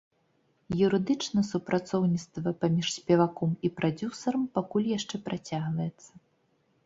Юрыдычна супрацоўніцтва паміж спеваком і прадзюсарам пакуль яшчэ працягваецца.